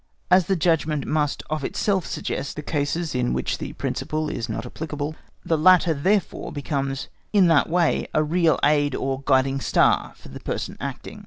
As the judgment must of itself suggest the cases in which the principle is not applicable, the latter therefore becomes in that way a real aid or guiding star for the person acting.